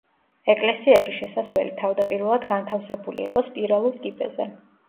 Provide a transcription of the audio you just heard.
ეკლესიაში შესასვლელი თავდაპირველად განთავსებული იყო სპირალურ კიბეზე.